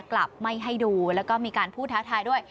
กลับไม่ให้ดูแล้วก็มีการพูดท้าทายด้วย